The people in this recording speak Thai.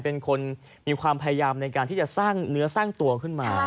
เป็นคนมีความพยายามในการที่จะสร้างเนื้อสร้างตัวขึ้นมา